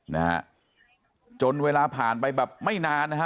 นะฮะจนเวลาผ่านไปแบบไม่นานนะฮะ